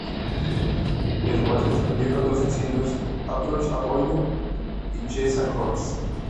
Del cuál se desprendieron dos sencillos "Approach the Podium" y "Chest and Horns".